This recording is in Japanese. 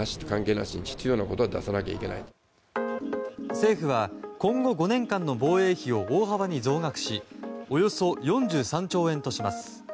政府は今後５年間の防衛費を大幅に増額しおよそ４３兆円とします。